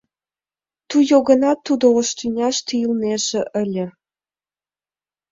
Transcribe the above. Туйо гынат, тудо ош тӱняште илынеже ыле.